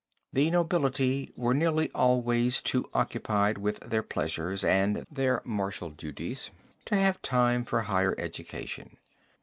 The nobility were nearly always too occupied with their pleasures and their martial duties to have time for the higher education.